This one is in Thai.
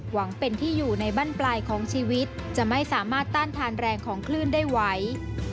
หวังเป็นที่อยู่ในบ้านปลายของชีวิตจะไม่สามารถต้านทานแรงของคลื่นได้ไหว